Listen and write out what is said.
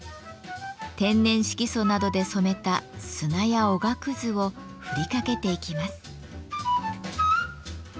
天然色素などで染めた砂やおがくずを振りかけていきます。